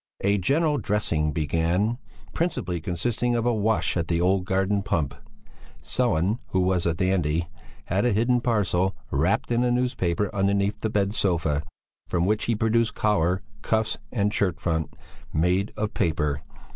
A general dressing began, principally consisting of a wash at the old garden pump. Sellén, who was a dandy, had hidden a parcel wrapped in a newspaper underneath the bed sofa, from which he produced collar, cuffs and shirt front, made of paper.